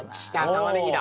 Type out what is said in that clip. タマネギだ。